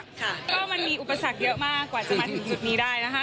ก็มันมีอุปสรรคเยอะมากกว่าจะมาถึงจุดนี้ได้นะคะ